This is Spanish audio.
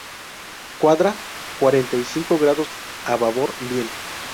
cuadra. cuarenta y cinco grados a babor. bien.